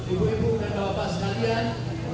ibu ibu dan bapak sekalian